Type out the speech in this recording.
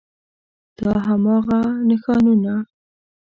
دا هماغه نښانونه